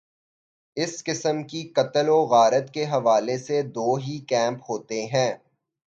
اس قسم کی قتل وغارت کے حوالے سے دو ہی کیمپ ہوتے ہیں۔